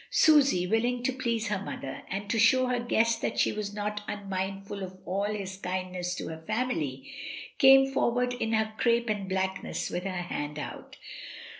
Susy, willing to please her mother, and to show her guest that she was not unmindful of all his kindness to her family, AT A WINDOW. 53 came forward in her crape and blackness with her hand out.